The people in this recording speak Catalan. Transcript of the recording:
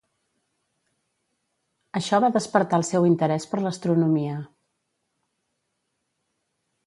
Això va despertar el seu interès per l'astronomia.